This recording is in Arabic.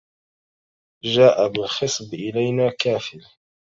جاء بالخصب إلينا كافل